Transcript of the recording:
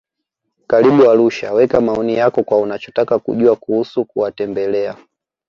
Karibu Arusha weka maoni yako kwa unachotaka kujua kuusu kuwatembelea